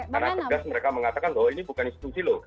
karena tegas mereka mengatakan bahwa ini bukan institusi loh